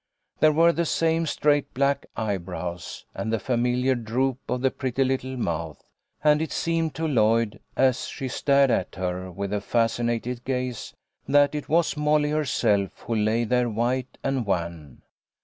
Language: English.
There were the same straight black eyebrows and the familiar droop of the pretty little 208 THE LITTLE COLONEL'S HOLIDAYS. mouth, and it seemed to Lloyd, as she stared at her with a fascinated gaze, that it was Molly herself who lay there white and wan.